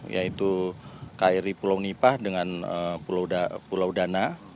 yaitu kri pulau nipah dengan pulau dana